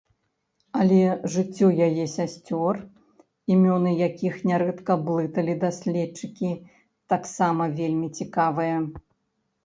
Але жыццё яе сясцёр, імёны якіх нярэдка блыталі даследчыкі, таксама вельмі цікавае.